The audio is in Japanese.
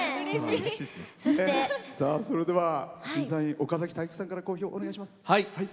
それでは審査員岡崎体育さんから講評お願いします。